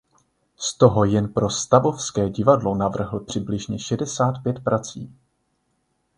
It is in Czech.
Z toho jen pro Stavovské divadlo navrhl přibližně šedesát pět prací.